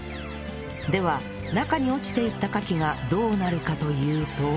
では中に落ちていったカキがどうなるかというと